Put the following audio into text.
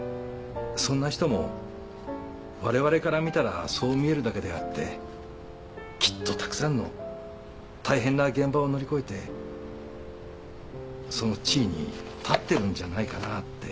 そんな人もわれわれから見たらそう見えるだけであってきっとたくさんの大変な現場を乗り越えてその地位に立ってるんじゃないかなって。